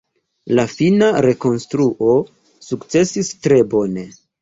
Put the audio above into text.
La fina rekonstruo sukcesis tre bone.